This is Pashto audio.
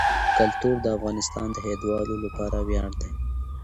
کلتور د افغانستان د هیوادوالو لپاره ویاړ دی.